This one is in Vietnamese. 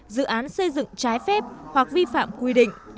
dự án xây dựng trái phép hoặc vi phạm quy định